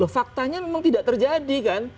faktanya memang tidak terjadi kan